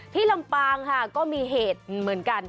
ลำปางค่ะก็มีเหตุเหมือนกัน